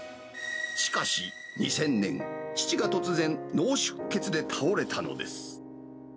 しかし、２０００年、父が突然、脳出血で倒れたのです。